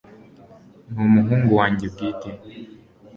n'umuhungu wanjye bwite